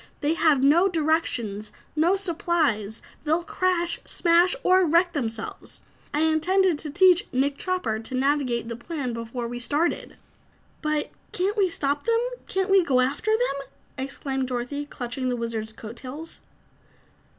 They have no directions, no supplies; they'll crash, smash or wreck themselves. I intended to teach Nick Chopper to navigate the plane before we started!" "But can't we stop them? Can't we go after them?" exclaimed Dorothy, clutching the Wizard's coat tails.